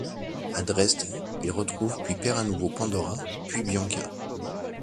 À Dresde il retrouve puis perd à nouveau Pandora, puis Bianca.